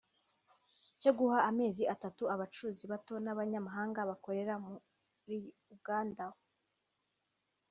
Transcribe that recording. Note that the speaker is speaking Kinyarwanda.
cyo guha amezi atatu abacuruzi bato b’abanyamahanga bakorera muri Uganda